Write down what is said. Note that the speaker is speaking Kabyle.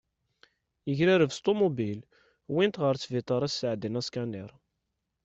Yegrareb s tumubil, wint ɣer sbiṭar ad as-sɛeddin askaniṛ.